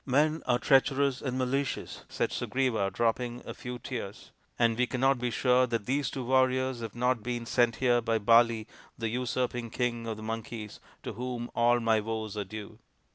" Men are treacherous and malicious," said Sugriva, dropping a few tears, " and we cannot be sure that these two warriors have not been sent here by Bali, the usurping King of the Monkeys, to whom all my woes are due."